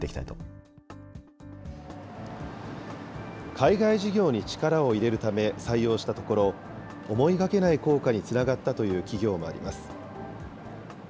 海外事業に力を入れるため採用したところ、思いがけない効果につながったという企業もあります。